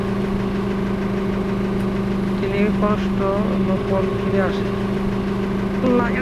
তিনি কনস্টান্টিনোপল ফিরে আসেন।